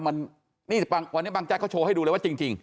วันนี้บางแจ๊เขาโชว์ให้ดูเลยว่าจริง